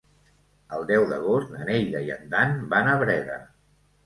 El deu d'agost na Neida i en Dan van a Breda.